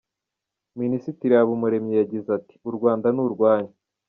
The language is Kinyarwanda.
Minisitiri Habumuremyi yagize ati “U Rwanda ni urwanyu.